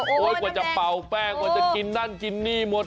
กว่าจะเป่าแป้งกว่าจะกินนั่นกินนี่หมด